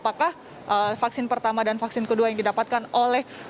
apakah vaksin pertama dan vaksin kedua yang mana yang lebih baik